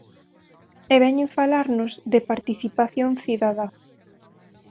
E veñen falarnos de participación cidadá.